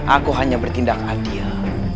aku hanya bertindak hadiah